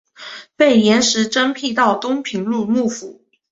被严实征辟到东平路幕府。